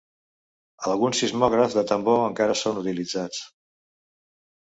Alguns sismògrafs de tambor encara són utilitzats.